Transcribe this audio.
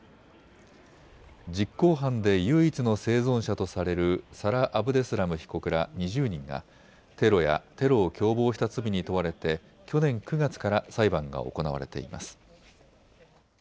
実行犯で唯一の生存者とされるサラ・アブデスラム被告ら２０人がテロやテロを共謀した罪に問われて去年９月から裁判が行われています。